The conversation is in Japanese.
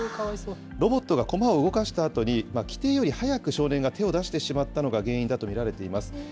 ロボットが駒を動かしたあとに、規定より早く少年が手を出してしまったのが原因だと見られています。